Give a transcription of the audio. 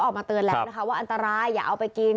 ออกมาเติ่นแล้วว่าอันตรายอย่าเอาออกมาเติ่น